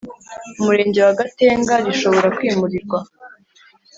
Umurenge wa Gatenga rishobora kwimurirwa